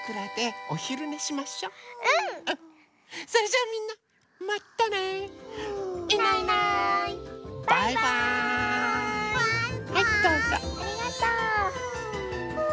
ありがとう。